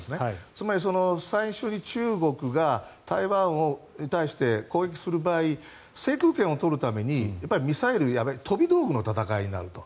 つまり、最初に中国が台湾に対して攻撃する場合制空権を取るためにミサイル、飛び道具の戦いになると。